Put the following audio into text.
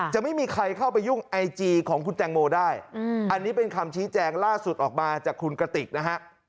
จะไม่มีใครเข้าไปยุ่งไอจีของคุณแตงโมได้อันนี้เป็นคำชี้แจงล่าสุดออกมาจากคุณกระติกนะฮะ